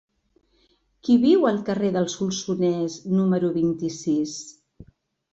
Qui viu al carrer del Solsonès número vint-i-sis?